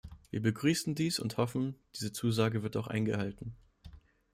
Wir begrüßen dies und hoffen, diese Zusage wird auch eingehalten.